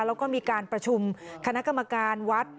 แล้วก็มีการประชุมคณะกรรมการวัด